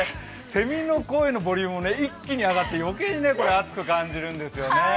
せみの声のボリュームも一気に上がって余計に暑さを感じるんですよね。